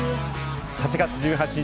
８月１８日